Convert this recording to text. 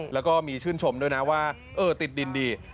แล้วก็มีชื่นชมด้วยนะว่าเออติดดินดี